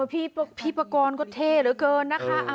พี่ประกอลก็เท่าเหลือเกินนะคะ